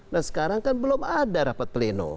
nah sekarang kan belum ada rapat pleno